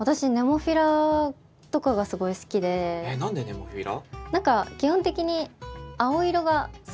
えっ何でネモフィラ？